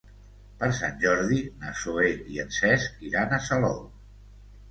Per Sant Jordi na Zoè i en Cesc iran a Salou.